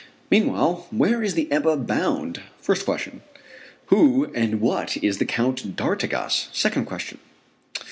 Meanwhile, where is the Ebba bound? first question. Who and what is the Count d'Artigas? second question.